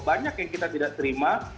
banyak yang kita tidak terima